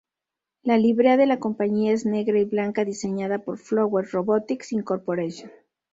La librea de la compañía es negra y blanca, diseñada por Flower Robotics Inc.